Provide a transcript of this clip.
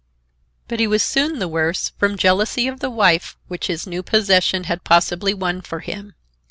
But he was soon the worse from jealousy of the wife which his new possession had possibly won for him.